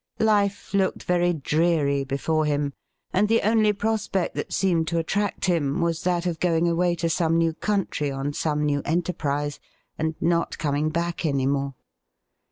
Life looked very dreary before him, and the only prospect that seemed to attract him weis that of going away to some new country on some new enter prise, and not coming back any more.